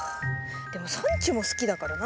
でもサンチュも好きだからな。